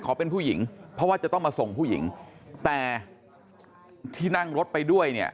เป็นผู้หญิงเพราะว่าจะต้องมาส่งผู้หญิงแต่ที่นั่งรถไปด้วยเนี่ย